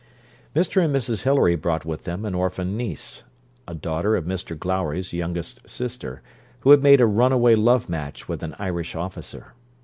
Mr and Mrs Hilary brought with them an orphan niece, a daughter of Mr Glowry's youngest sister, who had made a runaway love match with an Irish officer.